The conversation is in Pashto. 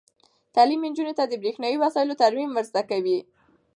تعلیم نجونو ته د برښنايي وسایلو ترمیم ور زده کوي.